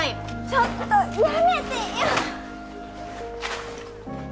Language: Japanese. ちょっとやめてよ！